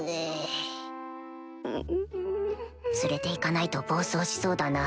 連れて行かないと暴走しそうだな